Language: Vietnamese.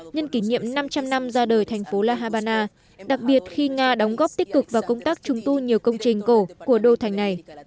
năm trăm linh năm ra đời thành phố la habana đặc biệt khi nga đóng góp tích cực và công tác trung tu nhiều công trình cổ của đô thành này